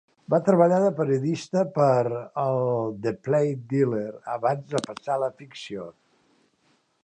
Va treballar de periodista per al "The Plain Dealer" abans de passar a la ficció.